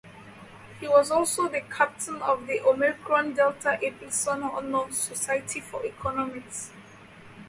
He was also the captain of the Omecron Delta Epsilon Honor Society for Economics.